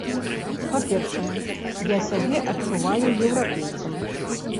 Па-першае, я сябе адчуваю еўрапейцам.